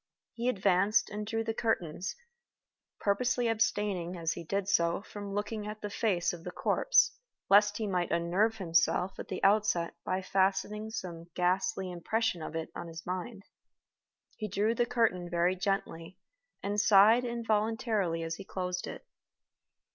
He advanced and drew the curtains, purposely abstaining, as he did so, from looking at the face of the corpse, lest he might unnerve himself at the outset by fastening some ghastly impression of it on his mind. He drew the curtain very gently, and sighed involuntarily as he closed it.